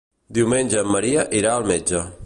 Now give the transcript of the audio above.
Diumenge en Maria irà al metge.